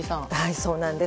そうなんです。